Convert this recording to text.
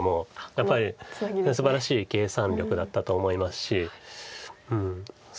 やっぱりすばらしい計算力だったと思いますしそうですね。